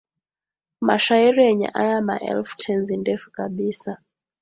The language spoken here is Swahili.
mashairi yenye aya maelfu Tenzi ndefu kabisa